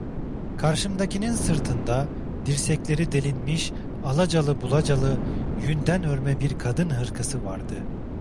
Karşımdakinin sırtında, dirsekleri delinmiş, alacalı bulacalı, yünden örme bir kadın hırkası vardı.